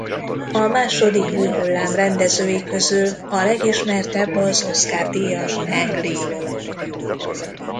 A második új hullám rendezői közül a legismertebb az Oscar-díjas Ang Lee.